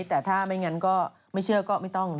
แต่ถ้าไม่งั้นก็ไม่เชื่อก็ไม่ต้อง